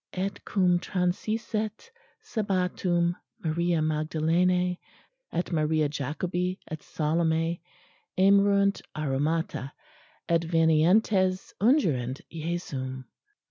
"'_Et cum transisset sabbatum Maria Magdalene et Maria Jacobi et Salome emerunt aromata, ut venientes ungerent Jesum.